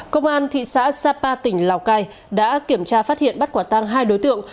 công an thị xã sapa tỉnh lào cai đã kiểm tra phát hiện bắt quả tăng hai đối tượng